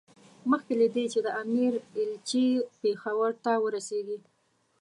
مخکې له دې چې د امیر ایلچي پېښور ته ورسېږي.